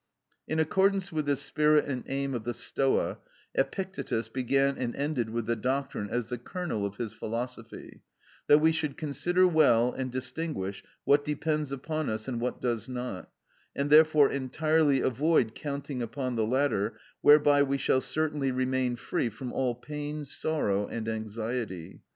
In accordance with this spirit and aim of the Stoa, Epictetus began and ended with the doctrine as the kernel of his philosophy, that we should consider well and distinguish what depends upon us and what does not, and therefore entirely avoid counting upon the latter, whereby we shall certainly remain free from all pain, sorrow, and anxiety.